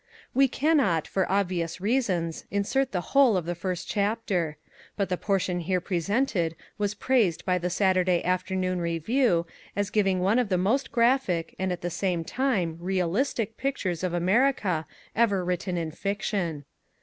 We cannot, for obvious reasons, insert the whole of the first chapter. But the portion here presented was praised by The Saturday Afternoon Review as giving one of the most graphic and at the same time realistic pictures of America ever written in fiction.